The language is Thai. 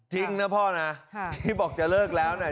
เจ้าหน้าที่เลิกแล้วนะ